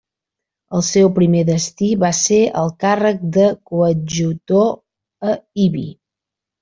El seu primer destí va ser el càrrec de Coadjutor a Ibi.